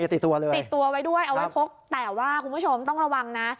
ติดตัวเลยครับแต่ว่าคุณผู้ชมต้องระวังนะ